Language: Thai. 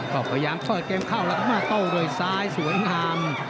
ก็พยายามเปิดเกมเข้าแล้วก็มาโต้ด้วยซ้ายสวยงาม